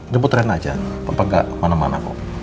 jemput renang aja apa apa enggak mana mana kok